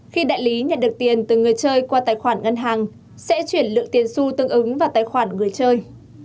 khi đại lý nhận được tiền từ người chơi qua tài khoản ngân hàng sẽ chuyển lượng tiền su tương ứng vào tài khoản người chơi